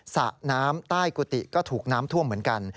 สระน้ำใต้กุฏิก็ถูกน้ำท่วมเหมือนกัน